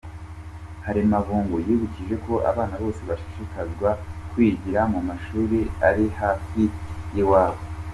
Haremabungu yibukije ko abana bose bashishikarizwa kwigira mu mashuri ari hafi y’iwabo.